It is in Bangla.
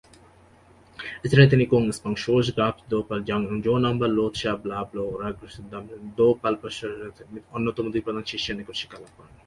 এছাড়া তিনি কুন-স্পাংস-ছোস-গ্রাগ্স-দ্পাল-ব্জাং ও জো-নম্বর-লো-ত্সা-বা-ব্লো-গ্রোস-দ্পাল নামক দোল-পো-পা-শেস-রাব-র্গ্যাল-ম্ত্শানের অন্যতম দুই প্রধান শিষ্যের নিকট শিক্ষালাভ করেন।